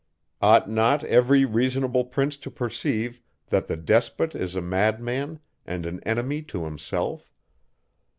Ought not every reasonable prince to perceive, that the despot is a madman, and an enemy to himself?